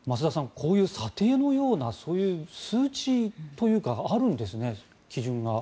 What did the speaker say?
こういう査定のようなそういう数値というかあるんですね、基準が。